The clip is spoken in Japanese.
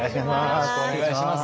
よろしくお願いします。